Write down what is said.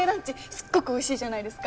すっごくおいしいじゃないですか。